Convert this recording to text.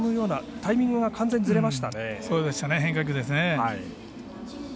タイミングが変化球ですね。